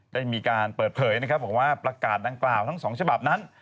ได้มีการเปิดเผยนะครับบอกว่าประกาศดังกล่าวทั้ง๒ฉบับนั้น